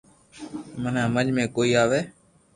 منو ھمج ۾ ڪوئي آوي